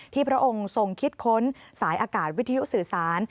พระองค์ทรงคิดค้นสายอากาศวิทยุสื่อสาร